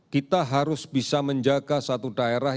kita harus bisa menjaga satu daerah